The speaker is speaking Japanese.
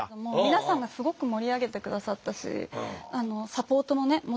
もう皆さんがすごく盛り上げて下さったしサポートもね